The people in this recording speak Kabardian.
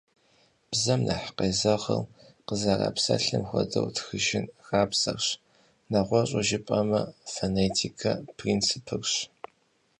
Бзэм нэхъ къезэгъыр къызэрапсэлъым хуэдэу тхыжын хабзэрщ, нэгъуэщӏу жыпӏэмэ, фонетикэ принципырщ.